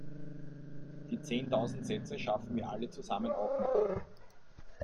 Die zehntausend Sätze schaffen wir alle zusammen auch noch!